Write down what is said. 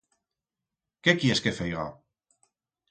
Qué quiers que feiga?